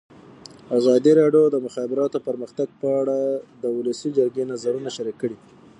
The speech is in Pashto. ازادي راډیو د د مخابراتو پرمختګ په اړه د ولسي جرګې نظرونه شریک کړي.